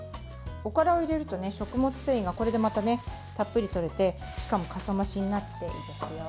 おからを入れると食物繊維がたっぷりとれてしかも、かさ増しになっていいですよ。